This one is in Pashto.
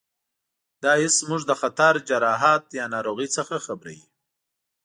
دا حس موږ له خطر، جراحت یا ناروغۍ څخه خبروي.